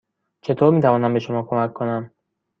چطور می توانم به شما کمک کنم؟